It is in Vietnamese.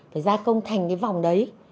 phải gia công thành cái vòng đấy